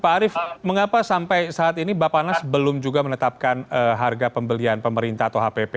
pak arief mengapa sampai saat ini bapak nas belum juga menetapkan harga pembelian pemerintah atau hpp